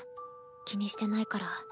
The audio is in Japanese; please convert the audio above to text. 気にしてないから。